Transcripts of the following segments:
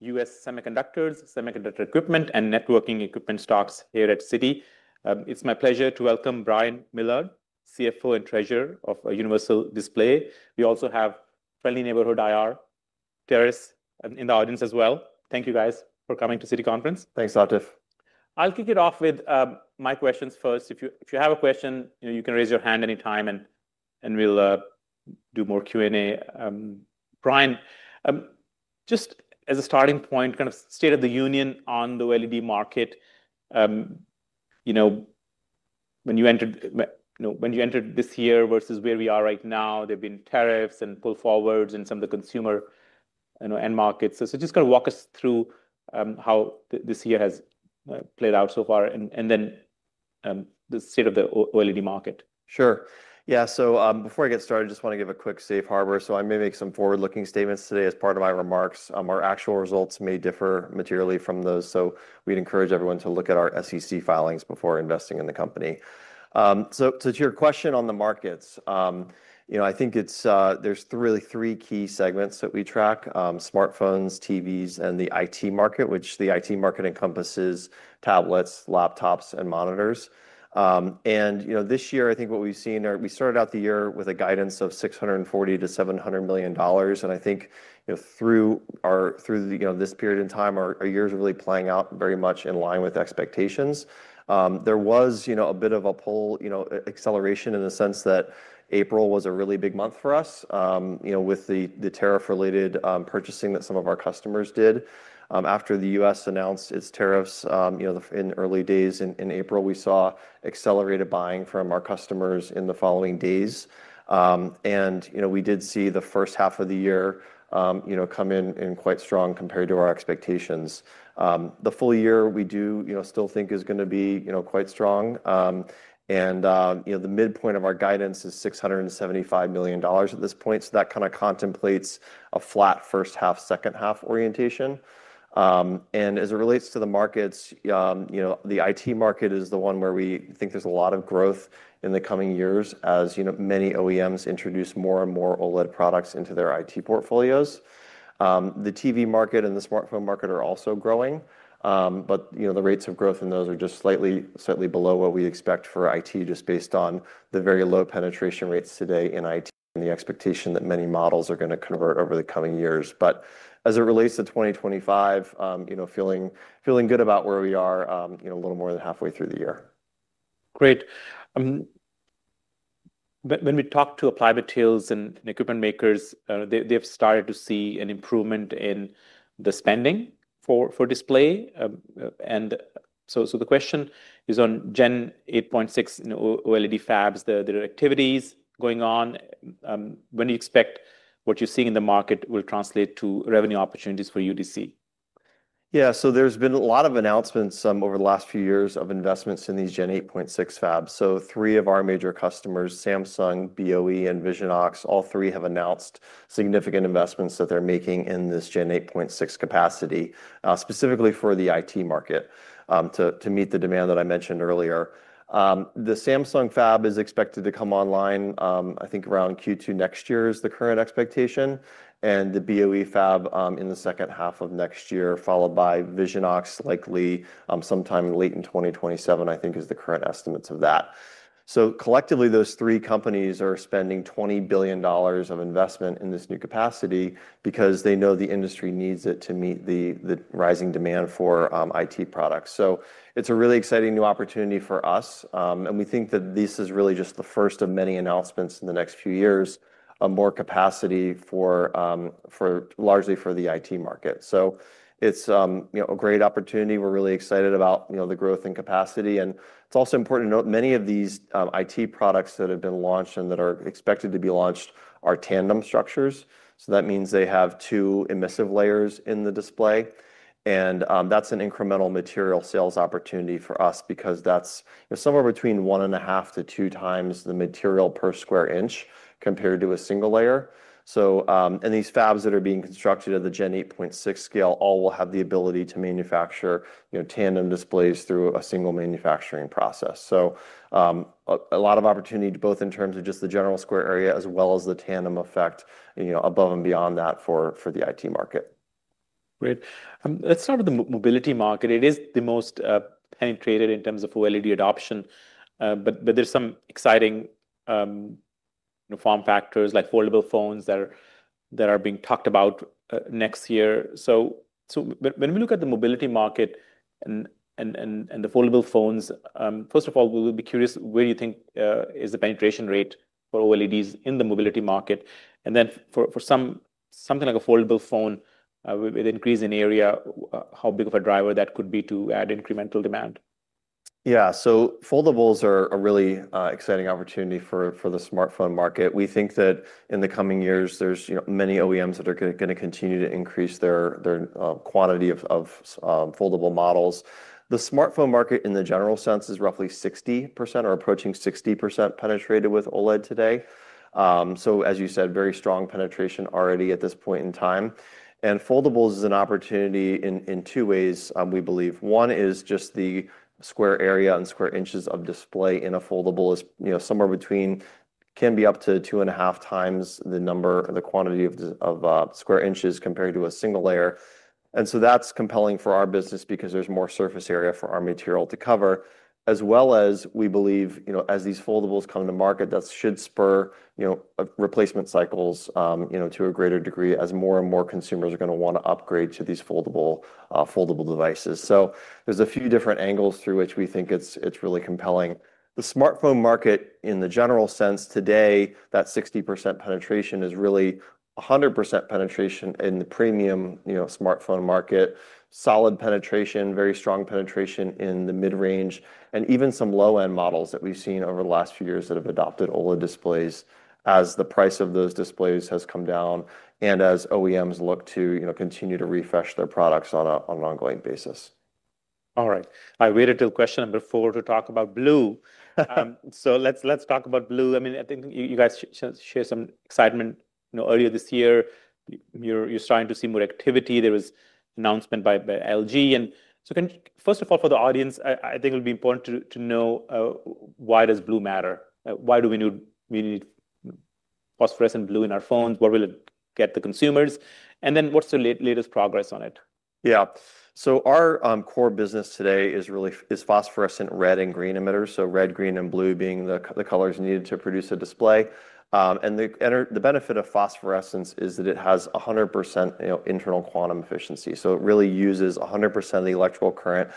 U.S. Semiconductors, Semiconductor Equipment, and Networking Equipment stocks here at Citi. It's my pleasure to welcome Brian Millard, CFO and Treasurer of Universal Display Corporation. We also have Friendly Neighborhood IR, Terrace, in the audience as well. Thank you guys for coming to Citi Conference. Thanks, Atif. I'll kick it off with my questions first. If you have a question, you can raise your hand anytime, and we'll do more Q&A. Brian, just as a starting point, kind of state of the union on the OLED market. You know, when you entered this year versus where we are right now, there have been tariffs and pull forwards in some of the consumer end markets. Just kind of walk us through how this year has played out so far, and then the state of the OLED market. Sure. Before I get started, I just want to give a quick safe harbor. I may make some forward-looking statements today as part of my remarks. Our actual results may differ materially from those, so we'd encourage everyone to look at our SEC filings before investing in the company. To your question on the markets, I think there's really three key segments that we track: smartphones, TVs, and the IT market, which the IT market encompasses tablets, laptops, and monitors. This year, I think what we've seen, we started out the year with a guidance of $640 million- $700 million. I think through this period in time, our years are really playing out very much in line with expectations. There was a bit of a pull acceleration in the sense that April was a really big month for us, with the tariff-related purchasing that some of our customers did. After the U.S. announced its tariffs in the early days in April, we saw accelerated buying from our customers in the following days. We did see the first half of the year come in quite strong compared to our expectations. The full year we do still think is going to be quite strong. The midpoint of our guidance is $675 million at this point. That kind of contemplates a flat first half, second half orientation. As it relates to the markets, the IT market is the one where we think there's a lot of growth in the coming years as many OEMs introduce more and more OLED products into their IT portfolios. The TV market and the smartphone market are also growing. The rates of growth in those are just slightly below what we expect for IT, just based on the very low penetration rates today in IT and the expectation that many models are going to convert over the coming years. As it relates to 2025, feeling good about where we are, a little more than halfway through the year. Great. When we talk to Applied Materials, Inc., and equipment makers, they've started to see an improvement in the spending for display. The question is on Gen 8.6 OLED fabs, the activities going on, when do you expect what you're seeing in the market will translate to revenue opportunities for UDC? Yeah, so there's been a lot of announcements over the last few years of investments in these Gen 8.6 fabs. Three of our major customers, Samsung Display, BOE Technology Group, and Visionox, all three have announced significant investments that they're making in this Gen 8.6 capacity, specifically for the IT market, to meet the demand that I mentioned earlier. The Samsung Display fab is expected to come online, I think, around Q2 next year is the current expectation. The BOE Technology Group fab in the second half of next year, followed by Visionox, likely sometime late in 2027, I think, is the current estimate of that. Collectively, those three companies are spending $20 billion of investment in this new capacity because they know the industry needs it to meet the rising demand for IT products. It's a really exciting new opportunity for us. We think that this is really just the first of many announcements in the next few years, more capacity largely for the IT market. It's a great opportunity. We're really excited about the growth in capacity. It's also important to note many of these IT products that have been launched and that are expected to be launched are tandem structures. That means they have two emissive layers in the display. That's an incremental material sales opportunity for us because that's somewhere between one and a half to two times the material per square inch compared to a single layer. These fabs that are being constructed at the Gen 8.6 scale all will have the ability to manufacture tandem displays through a single manufacturing process. There's a lot of opportunity both in terms of just the general square area as well as the tandem effect above and beyond that for the IT market. Great. Let's start with the mobility market. It is the most penetrated in terms of OLED adoption. There are some exciting form factors like foldable phones that are being talked about next year. When we look at the mobility market and the foldable phones, first of all, we're curious where you think is the penetration rate for OLEDs in the mobility market. For something like a foldable phone with an increase in area, how big of a driver that could be to add incremental demand? Yeah, foldables are a really exciting opportunity for the smartphone market. We think that in the coming years, there's many OEMs that are going to continue to increase their quantity of foldable models. The smartphone market in the general sense is roughly 60% or approaching 60% penetrated with OLED today. Very strong penetration already at this point in time. Foldables is an opportunity in two ways, we believe. One is just the square area and square inches of display in a foldable is somewhere between, can be up to two and a half times the quantity of square inches compared to a single layer. That's compelling for our business because there's more surface area for our material to cover. We believe as these foldables come to market, that should spur replacement cycles to a greater degree as more and more consumers are going to want to upgrade to these foldable devices. There's a few different angles through which we think it's really compelling. The smartphone market in the general sense today, that 60% penetration is really 100% penetration in the premium smartphone market. Solid penetration, very strong penetration in the mid-range, and even some low-end models that we've seen over the last few years that have adopted OLED displays as the price of those displays has come down and as OEMs look to continue to refresh their products on an ongoing basis. All right. I waited till question number four to talk about blue phosphorescent. Let's talk about blue phosphorescent. I think you guys shared some excitement earlier this year. You're starting to see more activity. There was an announcement by LG Display. For the audience, I think it'll be important to know why does blue phosphorescent matter? Why do we need phosphorescent blue phosphorescent in our phones? What will it get the consumers? What's the latest progress on it? Yeah, so our core business today is really phosphorescent red and green emitters. Red, green, and blue phosphorescent are the colors needed to produce a display. The benefit of phosphorescence is that it has 100% internal quantum efficiency. It really uses 100% of the electrical current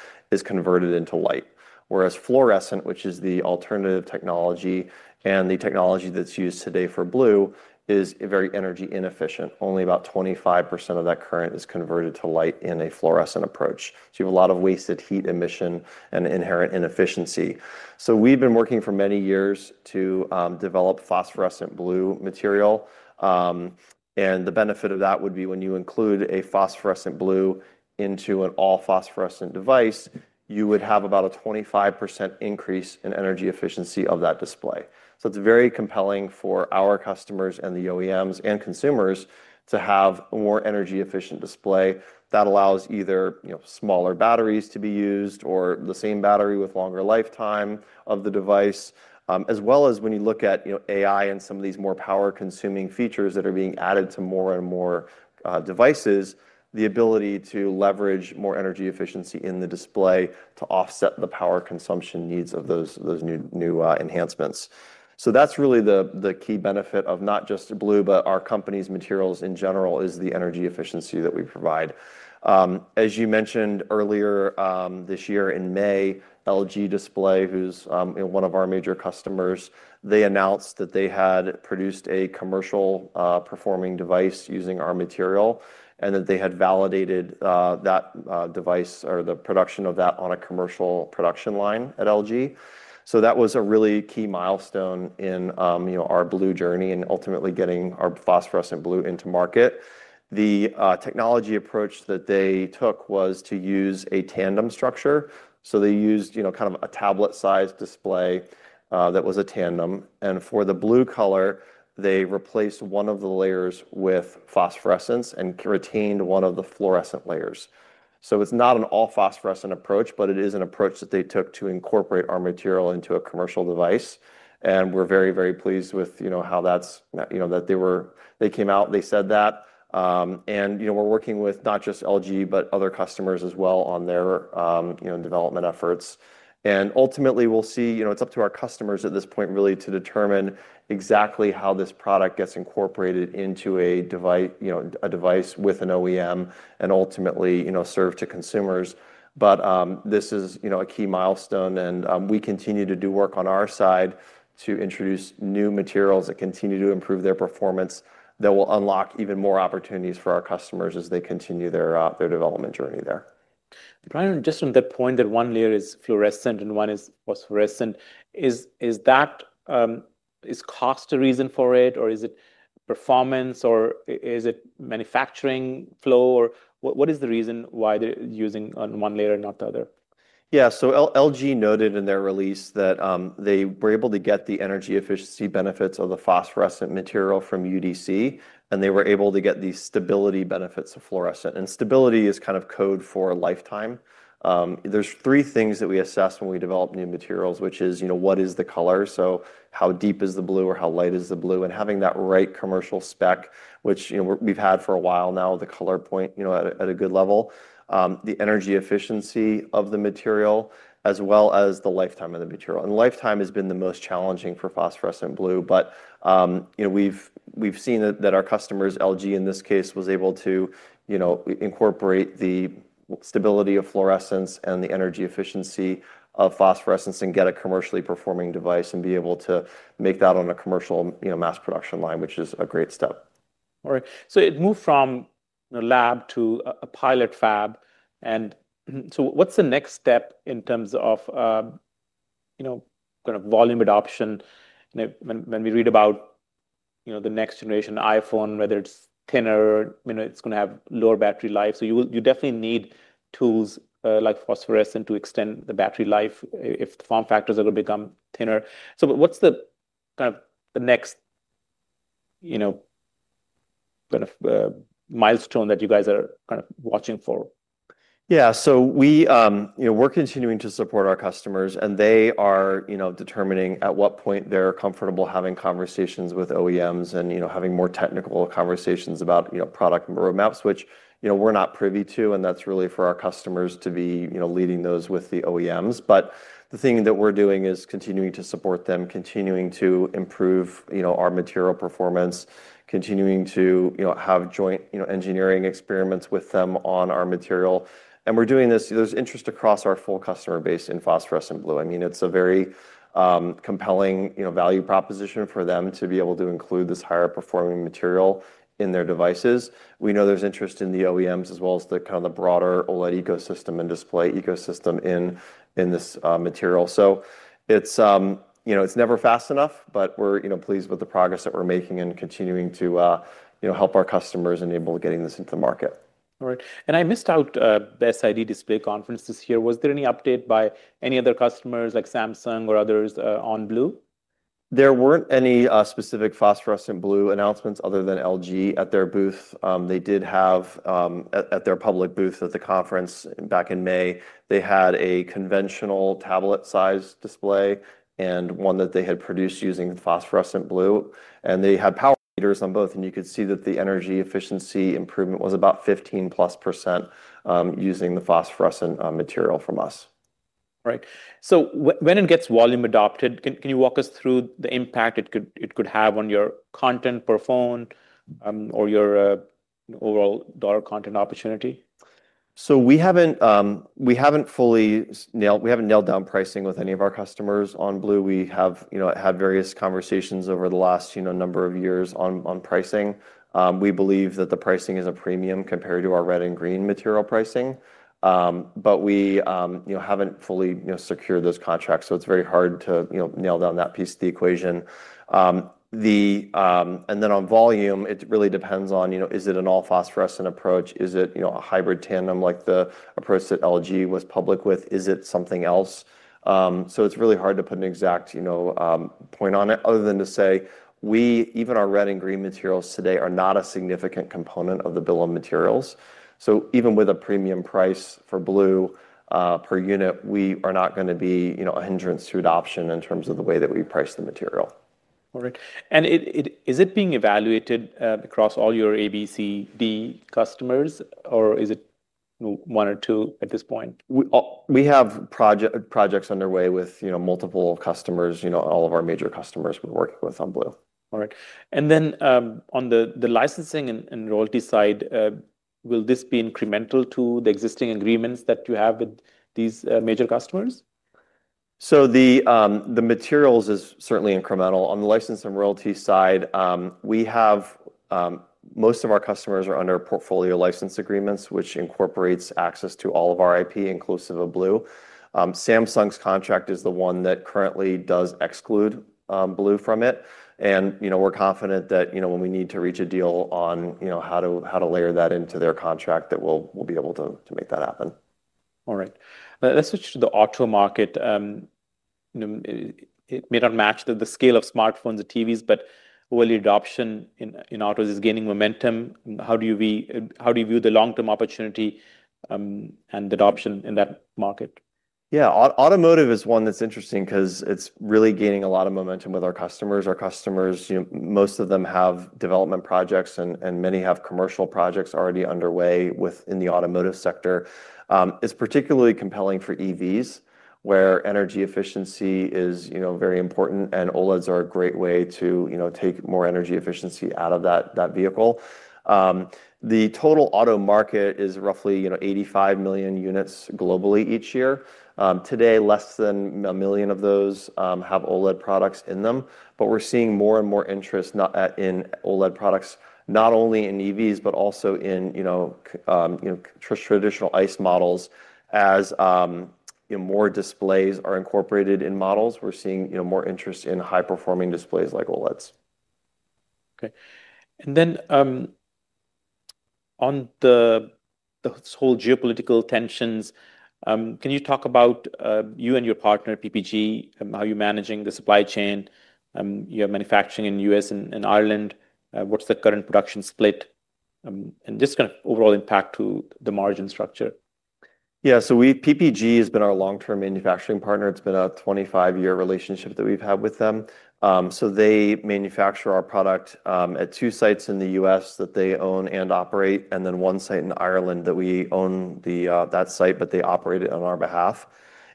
converted into light. Whereas fluorescent, which is the alternative technology and the technology that's used today for blue phosphorescent, is very energy inefficient. Only about 25% of that current is converted to light in a fluorescent approach. You have a lot of wasted heat emission and inherent inefficiency. We've been working for many years to develop phosphorescent blue phosphorescent material. The benefit of that would be when you include a phosphorescent blue phosphorescent into an all-phosphorescent device, you would have about a 25% increase in energy efficiency of that display. It's very compelling for our customers and the OEMs and consumers to have a more energy-efficient display that allows either smaller batteries to be used or the same battery with longer lifetime of the device. As well as when you look at AI and some of these more power-consuming features that are being added to more and more devices, the ability to leverage more energy efficiency in the display to offset the power consumption needs of those new enhancements. That's really the key benefit of not just blue phosphorescent, but our company's materials in general is the energy efficiency that we provide. As you mentioned earlier, this year in May, LG Display, who's one of our major customers, announced that they had produced a commercial-performing device using our material and that they had validated that device or the production of that on a commercial production line at LG. That was a really key milestone in our blue phosphorescent journey and ultimately getting our phosphorescent blue phosphorescent into market. The technology approach that they took was to use a tandem structure. They used kind of a tablet-sized display that was a tandem. For the blue phosphorescent color, they replaced one of the layers with phosphorescence and retained one of the fluorescent layers. It's not an all-phosphorescent approach, but it is an approach that they took to incorporate our material into a commercial device. We're very, very pleased with how that came out, they said that. We're working with not just LG, but other customers as well on their development efforts. Ultimately, we'll see, it's up to our customers at this point really to determine exactly how this product gets incorporated into a device with an OEM and ultimately serve to consumers. This is a key milestone. We continue to do work on our side to introduce new materials that continue to improve their performance that will unlock even more opportunities for our customers as they continue their development journey there. Brian, just on that point that one layer is fluorescent and one is phosphorescent, is cost a reason for it, or is it performance, or is it manufacturing flow, or what is the reason why they're using one layer and not the other? Yeah, LG noted in their release that they were able to get the energy efficiency benefits of the phosphorescent material from Universal Display Corporation, and they were able to get the stability benefits of fluorescent. Stability is kind of code for lifetime. There are three things that we assess when we develop new materials, which is, you know, what is the color, so how deep is the blue phosphorescent or how light is the blue phosphorescent, and having that right commercial spec, which we've had for a while now, the color point at a good level, the energy efficiency of the material, as well as the lifetime of the material. Lifetime has been the most challenging for phosphorescent blue phosphorescent. We've seen that our customers, LG Display in this case, were able to incorporate the stability of fluorescence and the energy efficiency of phosphorescence and get a commercially performing device and be able to make that on a commercial mass production line, which is a great step. All right. It moved from a lab to a pilot fab. What's the next step in terms of volume adoption? When we read about the next generation iPhone, whether it's thinner, it's going to have lower battery life. You definitely need tools like phosphorescence to extend the battery life if the form factors are going to become thinner. What's the next milestone that you guys are watching for? Yeah, we’re continuing to support our customers, and they are determining at what point they’re comfortable having conversations with OEMs and having more technical conversations about product roadmaps, which we’re not privy to. That’s really for our customers to be leading those with the OEMs. The thing that we’re doing is continuing to support them, continuing to improve our material performance, continuing to have joint engineering experiments with them on our material. We’re doing this, there’s interest across our full customer base in phosphorescent blue phosphorescent. It’s a very compelling value proposition for them to be able to include this higher-performing material in their devices. We know there’s interest in the OEMs as well as the broader OLED ecosystem and display ecosystem in this material. It’s never fast enough, but we’re pleased with the progress that we’re making and continuing to help our customers enable getting this into the market. All right. I missed out on Best ID Display Conference this year. Was there any update by any other customers like Samsung Display or others on blue phosphorescent? There weren't any specific phosphorescent blue phosphorescent announcements other than LG Display at their booth. They did have at their public booth at the conference back in May, they had a conventional tablet-sized display and one that they had produced using phosphorescent blue phosphorescent. They had power meters on both, and you could see that the energy efficiency improvement was about 15+% using the phosphorescent material from us. All right. When it gets volume adopted, can you walk us through the impact it could have on your content per phone or your overall dollar content opportunity? We haven't fully nailed down pricing with any of our customers on blue phosphorescent. We have had various conversations over the last number of years on pricing. We believe that the pricing is a premium compared to our red and green material pricing, but we haven't fully secured those contracts. It's very hard to nail down that piece of the equation. On volume, it really depends on, you know, is it an all-phosphorescent approach? Is it a hybrid tandem like the approach that LG Display was public with? Is it something else? It's really hard to put an exact point on it other than to say, even our red and green materials today are not a significant component of the bill of materials. Even with a premium price for blue phosphorescent per unit, we are not going to be a hindrance to adoption in terms of the way that we price the material. Is it being evaluated across all your ABCD customers, or is it one or two at this point? We have projects underway with multiple customers, all of our major customers we're working with on blue phosphorescent. All right. On the licensing and royalty side, will this be incremental to the existing agreements that you have with these major customers? The materials is certainly incremental. On the license and royalty side, we have most of our customers under portfolio license agreements, which incorporates access to all of our IP, inclusive of blue phosphorescent. Samsung's contract is the one that currently does exclude blue phosphorescent from it. We're confident that when we need to reach a deal on how to layer that into their contract, we'll be able to make that happen. All right. Let's switch to the auto market. It may not match the scale of smartphones or TVs, but early adoption in autos is gaining momentum. How do you view the long-term opportunity and the adoption in that market? Yeah, automotive is one that's interesting because it's really gaining a lot of momentum with our customers. Our customers, most of them have development projects, and many have commercial projects already underway within the automotive sector. It's particularly compelling for EVs where energy efficiency is very important, and OLEDs are a great way to take more energy efficiency out of that vehicle. The total auto market is roughly 85 million units globally each year. Today, less than a million of those have OLED products in them. We're seeing more and more interest in OLED products, not only in EVs, but also in traditional ICE models. As more displays are incorporated in models, we're seeing more interest in high-performing displays like OLEDs. Okay. On the whole geopolitical tensions, can you talk about you and your partner, PPG, how you're managing the supply chain? You're manufacturing in the U.S. and Ireland. What's the current production split and just kind of overall impact to the margin structure? PPG has been our long-term manufacturing partner. It's been a 25-year relationship that we've had with them. They manufacture our product at two sites in the U.S. that they own and operate, and then one site in Ireland that we own. That site, but they operate it on our behalf.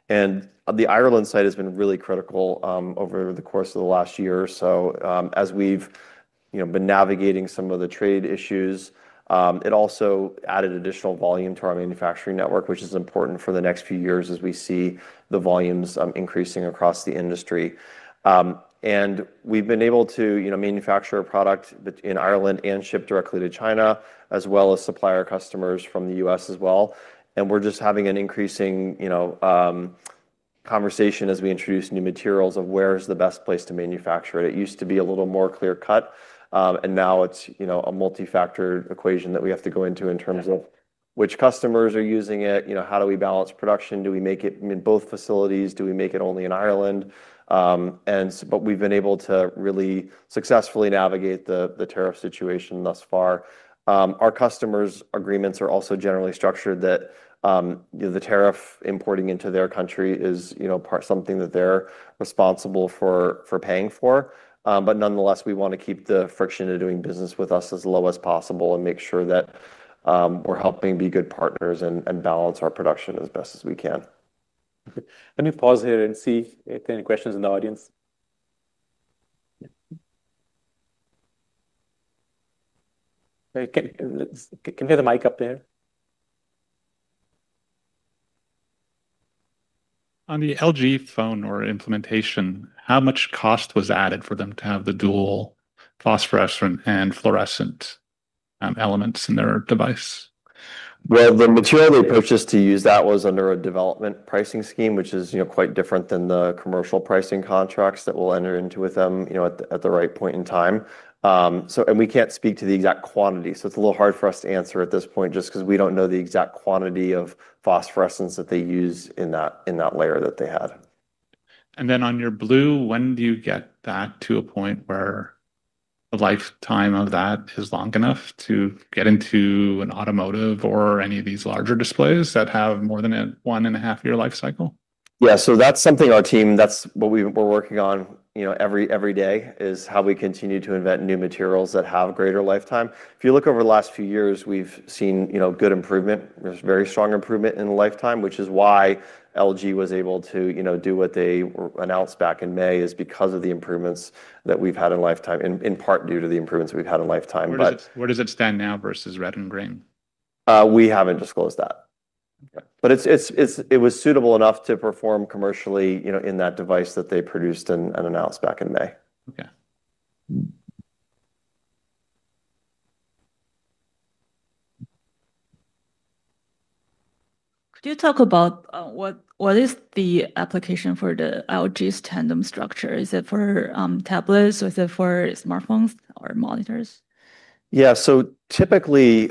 The Ireland site has been really critical over the course of the last year. As we've been navigating some of the trade issues, it also added additional volume to our manufacturing network, which is important for the next few years as we see the volumes increasing across the industry. We've been able to manufacture a product in Ireland and ship directly to China, as well as supply our customers from the U.S. as well. We're just having an increasing conversation as we introduce new materials of where's the best place to manufacture it. It used to be a little more clear cut, and now it's a multifactor equation that we have to go into in terms of which customers are using it. You know, how do we balance production? Do we make it in both facilities? Do we make it only in Ireland? We've been able to really successfully navigate the tariff situation thus far. Our customers' agreements are also generally structured that the tariff importing into their country is something that they're responsible for paying for. Nonetheless, we want to keep the friction of doing business with us as low as possible and make sure that we're helping be good partners and balance our production as best as we can. Let me pause here and see if there are any questions in the audience. Can you hear the mic up there? On the LG Display phone or implementation, how much cost was added for them to have the dual phosphorescent and fluorescent elements in their device? The material we purchased to use was under a development pricing scheme, which is quite different than the commercial pricing contracts that we'll enter into with them at the right point in time. We can't speak to the exact quantity. It's a little hard for us to answer at this point just because we don't know the exact quantity of phosphorescence that they use in that layer that they had. When do you get your blue phosphorescent to a point where the lifetime of that is long enough to get into an automotive or any of these larger displays that have more than a 1.5 year lifecycle? Yeah, that's something our team is working on every day, how we continue to invent new materials that have greater lifetime. If you look over the last few years, we've seen good improvement. There's very strong improvement in lifetime, which is why LG Display was able to do what they announced back in May, because of the improvements that we've had in lifetime, in part due to the improvements we've had in lifetime. Where does it stand now versus red and green? We haven't disclosed that. It was suitable enough to perform commercially in that device that they produced and announced back in May. Could you talk about what is the application for LG Display's hybrid tandem structure? Is it for tablets? Is it for smartphones or monitors? Yeah, so typically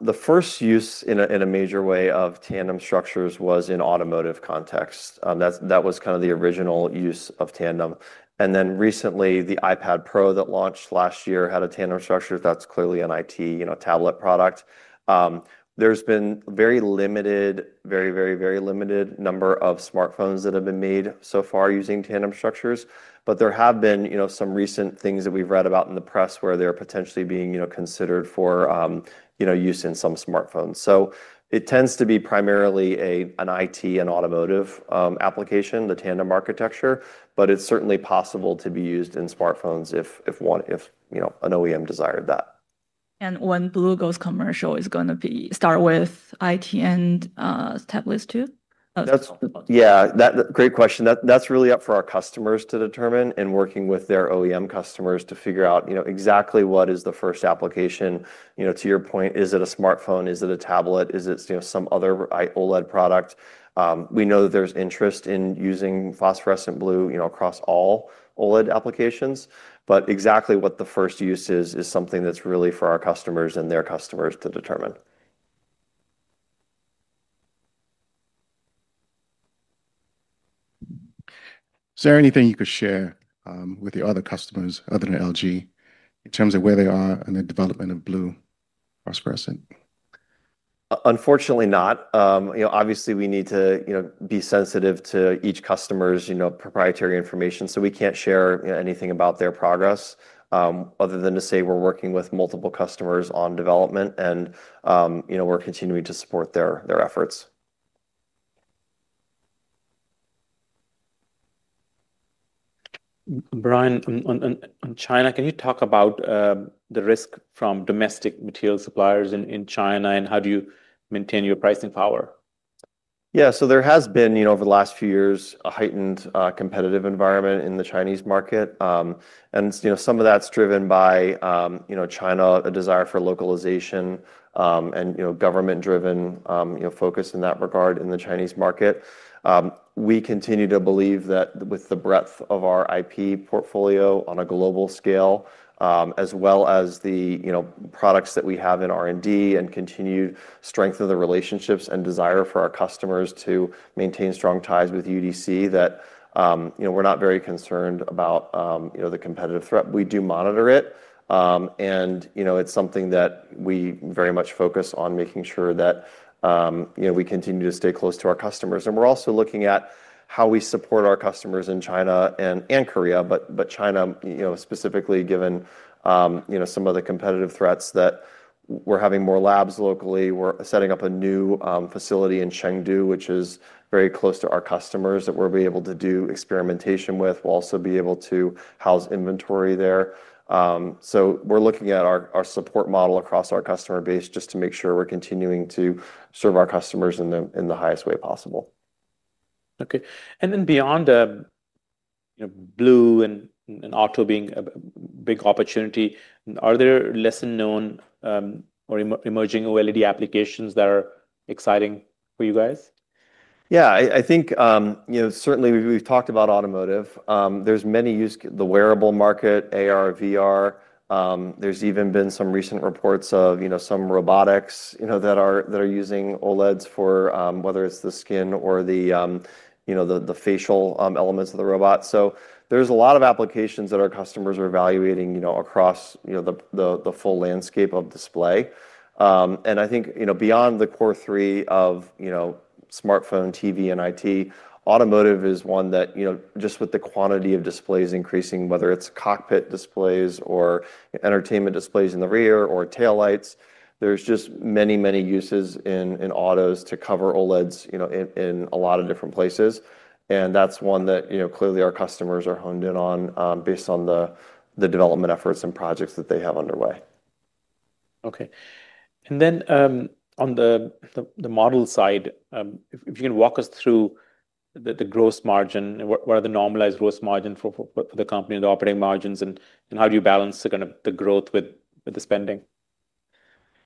the first use in a major way of tandem structures was in automotive context. That was kind of the original use of tandem. Recently, the iPad Pro that launched last year had a tandem structure. That's clearly an IT tablet product. There's been a very limited, very, very, very limited number of smartphones that have been made so far using tandem structures. There have been some recent things that we've read about in the press where they're potentially being considered for use in some smartphones. It tends to be primarily an IT and automotive application, the tandem architecture, but it's certainly possible to be used in smartphones if an OEM desired that. When blue phosphorescent goes commercial, is it going to start with IT and tablets too? Great question. That's really up for our customers to determine and working with their OEM customers to figure out exactly what is the first application. To your point, is it a smartphone? Is it a tablet? Is it some other OLED product? We know that there's interest in using phosphorescent blue phosphorescent across all OLED applications. Exactly what the first use is, is something that's really for our customers and their customers to determine. Is there anything you could share with your other customers other than LG Display in terms of where they are in the development of blue phosphorescent? Unfortunately not. Obviously, we need to be sensitive to each customer's proprietary information. We can't share anything about their progress other than to say we're working with multiple customers on development and we're continuing to support their efforts. Brian, on China, can you talk about the risk from domestic material suppliers in China, and how do you maintain your pricing power? Yeah, so there has been, you know, over the last few years, a heightened competitive environment in the Chinese market. Some of that's driven by China's desire for localization and government-driven focus in that regard in the Chinese market. We continue to believe that with the breadth of our IP portfolio on a global scale, as well as the products that we have in R&D and continued strength of the relationships and desire for our customers to maintain strong ties with UDC, that we're not very concerned about the competitive threat. We do monitor it. It's something that we very much focus on, making sure that we continue to stay close to our customers. We're also looking at how we support our customers in China and Korea, but China specifically given some of the competitive threats, that we're having more labs locally. We're setting up a new facility in Chengdu, which is very close to our customers that we'll be able to do experimentation with. We'll also be able to house inventory there. We're looking at our support model across our customer base just to make sure we're continuing to serve our customers in the highest way possible. Okay. Beyond blue phosphorescent and Octo being a big opportunity, are there lesser-known or emerging OLED applications that are exciting for you guys? I think certainly we've talked about automotive. There's many uses, the wearable market, AR, VR. There's even been some recent reports of some robotics that are using OLEDs for whether it's the skin or the facial elements of the robot. There's a lot of applications that our customers are evaluating across the full landscape of display. I think beyond the core three of smartphone, TV, and IT, automotive is one that just with the quantity of displays increasing, whether it's cockpit displays or entertainment displays in the rear or taillights, there's just many, many uses in autos to cover OLEDs in a lot of different places. That's one that clearly our customers are honed in on based on the development efforts and projects that they have underway. Okay. If you can walk us through the gross margin, what are the normalized gross margins for the company and the operating margins, and how do you balance the growth with the spending?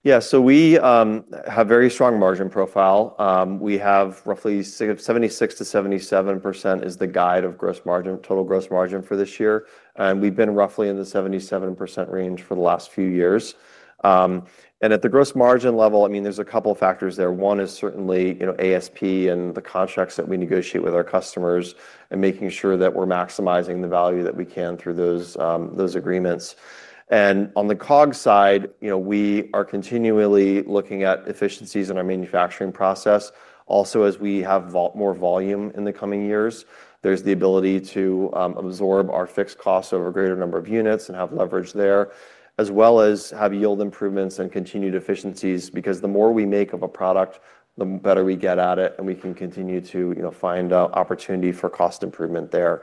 Yeah, we have a very strong margin profile. We have roughly 76%- 77% as the guide of gross margin, total gross margin for this year. We've been roughly in the 77% range for the last few years. At the gross margin level, there are a couple of factors. One is certainly ASP and the contracts that we negotiate with our customers, making sure that we're maximizing the value that we can through those agreements. On the COG side, we are continually looking at efficiencies in our manufacturing process. As we have more volume in the coming years, there's the ability to absorb our fixed costs over a greater number of units and have leverage there, as well as have yield improvements and continued efficiencies because the more we make of a product, the better we get at it, and we can continue to find opportunity for cost improvement there.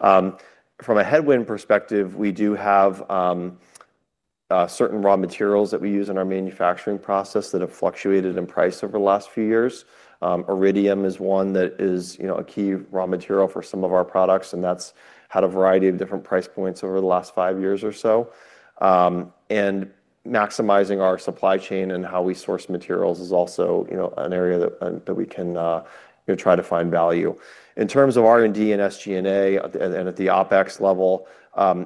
From a headwind perspective, we do have certain raw materials that we use in our manufacturing process that have fluctuated in price over the last few years. Iridium is one that is a key raw material for some of our products, and that's had a variety of different price points over the last five years or so. Maximizing our supply chain and how we source materials is also an area that we can try to find value. In terms of R&D and SG&A and at the OpEx level,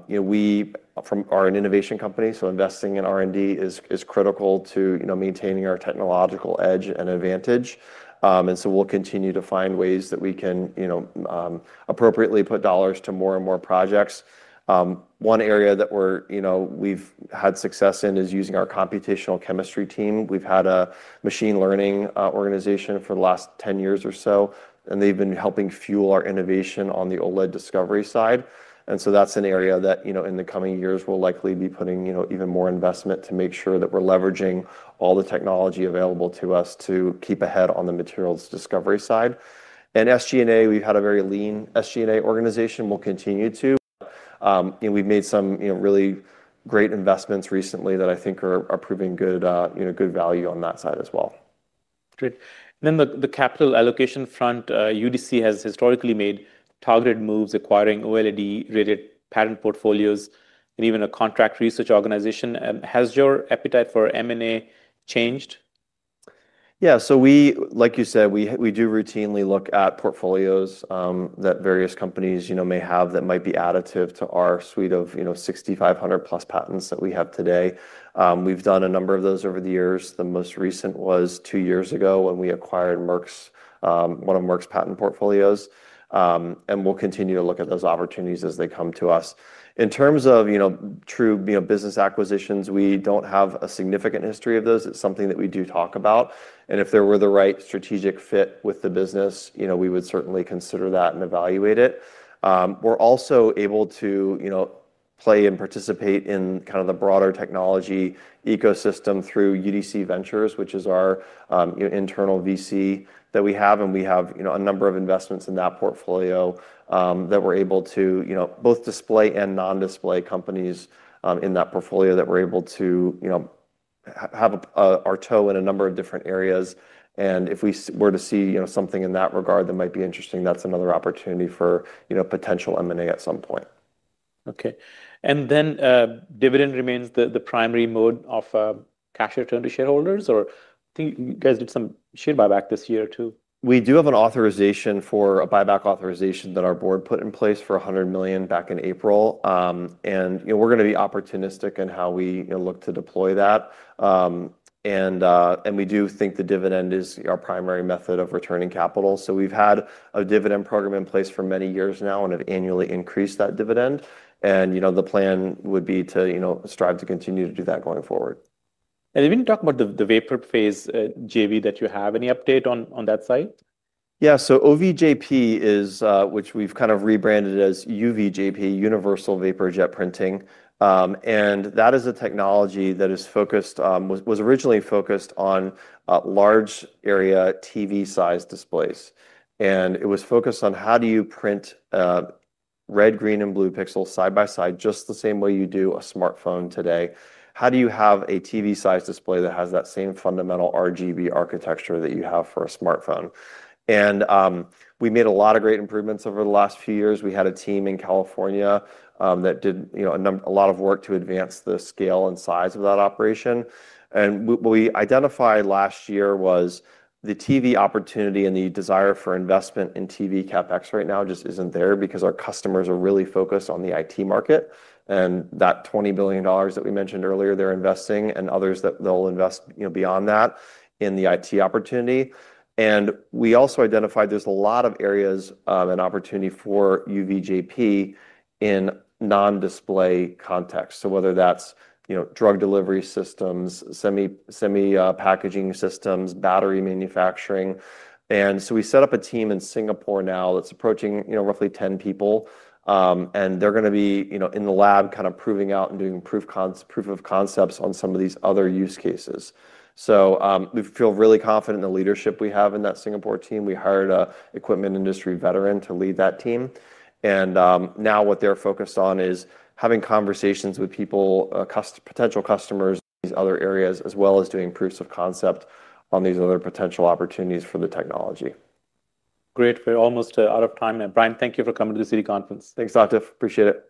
we are an innovation company, so investing in R&D is critical to maintaining our technological edge and advantage. We'll continue to find ways that we can appropriately put dollars to more and more projects. One area that we've had success in is using our computational chemistry team. We've had a machine learning organization for the last 10 years or so, and they've been helping fuel our innovation on the OLED discovery side. That's an area that in the coming years we'll likely be putting even more investment to make sure that we're leveraging all the technology available to us to keep ahead on the materials discovery side. SG&A, we've had a very lean SG&A organization. We'll continue to. We've made some really great investments recently that I think are proving good value on that side as well. Great. On the capital allocation front, Universal Display Corporation has historically made targeted moves acquiring OLED-related patent portfolios and even a contract research organization. Has your appetite for M&A changed? Yeah, like you said, we do routinely look at portfolios that various companies may have that might be additive to our suite of 6,500+ patents that we have today. We've done a number of those over the years. The most recent was two years ago when we acquired one of Merck's patent portfolios. We'll continue to look at those opportunities as they come to us. In terms of true business acquisitions, we don't have a significant history of those. It's something that we do talk about. If there were the right strategic fit with the business, we would certainly consider that and evaluate it. We're also able to play and participate in the broader technology ecosystem through UDC Ventures, which is our internal VC that we have. We have a number of investments in that portfolio that we're able to both display and non-display companies in that portfolio that we're able to have our toe in a number of different areas. If we were to see something in that regard that might be interesting, that's another opportunity for potential M&A at some point. Okay. Dividend remains the primary mode of cash return to shareholders. I think you guys did some share buyback this year too. We do have an authorization for a buyback authorization that our board put in place for $100 million back in April. We're going to be opportunistic in how we look to deploy that. We do think the dividend is our primary method of returning capital. We've had a dividend program in place for many years now and have annually increased that dividend. The plan would be to strive to continue to do that going forward. If you can talk about the vapor phase JV that you have, any update on that side? Yeah, so OVJP is, which we've kind of rebranded as UVJP, Universal Vapor Jet Printing. That is a technology that was originally focused on large area TV-sized displays. It was focused on how do you print red, green, and blue phosphorescent pixels side by side just the same way you do a smartphone today? How do you have a TV-sized display that has that same fundamental RGB architecture that you have for a smartphone? We made a lot of great improvements over the last few years. We had a team in California that did a lot of work to advance the scale and size of that operation. What we identified last year was the TV opportunity and the desire for investment in TV CapEx right now just isn't there because our customers are really focused on the IT market. That $20 billion that we mentioned earlier, they're investing and others that they'll invest beyond that in the IT opportunity. We also identified there's a lot of areas and opportunity for UVJP in non-display context, whether that's drug delivery systems, semi-packaging systems, battery manufacturing. We set up a team in Singapore now that's approaching roughly 10 people. They're going to be in the lab kind of proving out and doing proof of concepts on some of these other use cases. We feel really confident in the leadership we have in that Singapore team. We hired an equipment industry veteran to lead that team. Now what they're focused on is having conversations with people, potential customers, these other areas, as well as doing proofs of concept on these other potential opportunities for the technology. Great. We're almost out of time. Brian, thank you for coming to the Citi Conference. Thanks, Atif. Appreciate it.